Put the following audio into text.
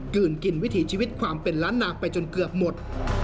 ื่นกินวิถีชีวิตความเป็นล้านนาไปจนเกือบหมด